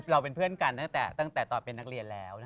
เราเป็นเพื่อนกันตั้งแต่ตอนเป็นนักเรียนแล้ว